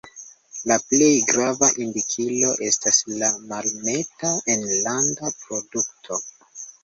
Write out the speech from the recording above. La plej grava indikilo estas la Malneta Enlanda Produkto.